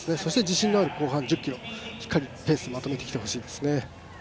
自信のある後半１０ｋｍしっかりペースまとめてきてほしいですね。